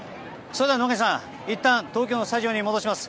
それでは、野上さん、いったん東京のスタジオに戻します。